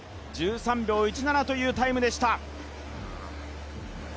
１３秒１７というタイムでした。